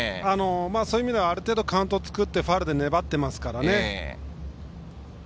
そういうところではある程度カウントを作ってファウルで粘っていますからね。